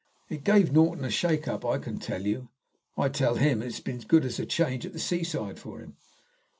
It gave Norton a shake up, I can tell you. I tell him it has been as good as a change at the sea side for him."